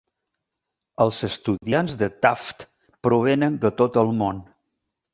Els estudiants de Taft provenen de tot el món.